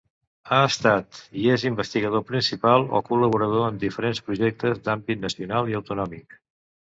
Ha estat i és investigador principal o col·laborador en diferents projectes d'àmbit nacional i autonòmic.